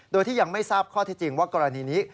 โดยที่ยังไม่ทราบข้อที่จริงว่ากรณีนี้